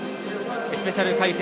スペシャル解説